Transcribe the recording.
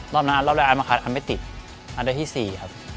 รอบนั้นรอบแรกอันมาคัดอันไม่ติดอันใดที่๔ครับ